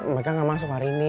meka gak masuk hari ini